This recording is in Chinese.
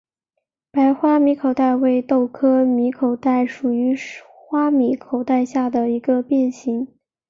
白花米口袋为豆科米口袋属少花米口袋下的一个变型。